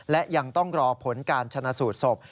และยังต้องรอผลการชนะสูตรศพ